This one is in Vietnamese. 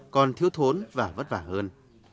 còn thiếu thốn và vất vả hơn